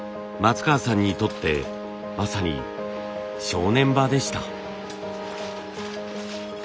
松川さんにとってまさに正念場でした。